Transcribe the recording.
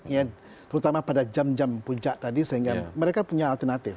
ya terutama pada jam jam puncak tadi sehingga mereka punya alternatif